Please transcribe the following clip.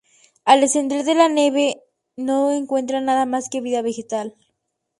Al descender de la nave no encuentran nada más que vida vegetal.